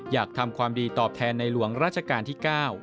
อยากทำความดีตอบแทนในหลวงราชการที่๙